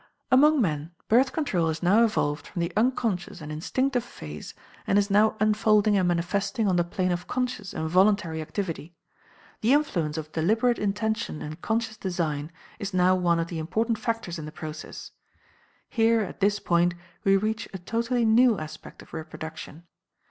Among men, Birth Control has now evolved from the unconscious and instinctive phase, and is now unfolding and manifesting on the plane of conscious and voluntary activity. The influence of deliberate intention and conscious design is now one of the important factors in the process. Here at this point we reach a totally new aspect of reproduction.